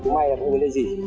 may là không có cái gì